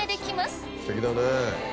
すてきだね。